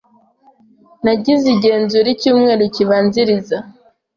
Nagize igenzura icyumweru kibanziriza.